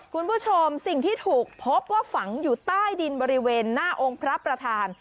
คุณผู้ชมสิ่งที่ถูกพบว่าฝังอยู่ใต้ดินบริเวณหน้าองค์พระประธาน